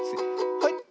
はい。